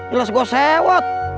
jelas gua sewet